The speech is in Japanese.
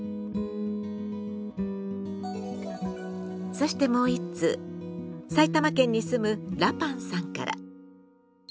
そしてもう一通埼玉県に住むラパンさんから。